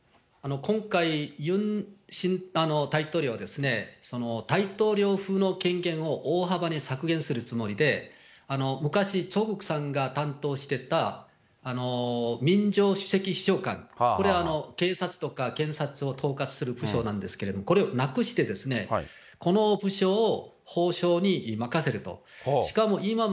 今回、ユン新大統領は大統領府の権限を大幅に削減するつもりで、昔、チョ・グクさんが担当してたみんじょう首席秘書官、これ、警察とか検察を統括する部署なんですけれども、これをなくして、この部署を法相に任せると。